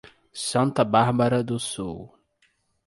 Santa Bárbara do Sul